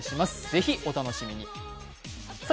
ぜひ、お楽しみに。